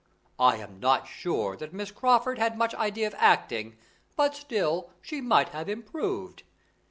I am not sure that Miss Crawford had much idea of acting; but still, she might have improved."